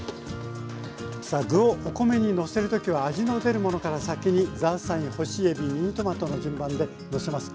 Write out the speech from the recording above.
さあ具をお米にのせる時は味の出るものから先にザーサイ干しエビミニトマトの順番でのせます。